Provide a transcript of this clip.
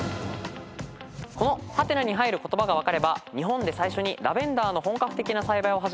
この「？」に入る言葉が分かれば日本で最初にラベンダーの本格的な栽培を始めた都市が分かるはず。